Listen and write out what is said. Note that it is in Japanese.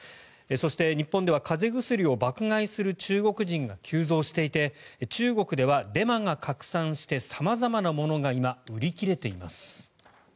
そして、日本では風邪薬を爆買いする中国人が急増していて中国ではデマが拡散して様々なものが今、売り切れています。